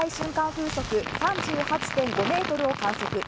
風速３８．５メートルを観測。